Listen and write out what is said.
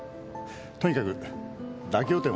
とにかく妥協点を探ろう。